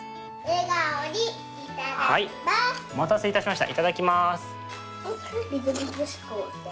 はいお待たせいたしました。